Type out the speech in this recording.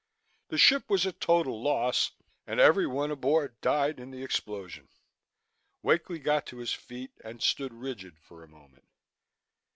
The ship was a total loss and everyone aboard died in the explosion." Wakely got to his feet and stood rigid for a moment.